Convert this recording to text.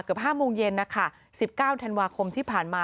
เกือบ๕โมงเย็น๑๙ธันวาคมที่ผ่านมา